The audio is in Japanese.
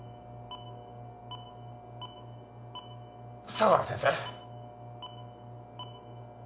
相良先生？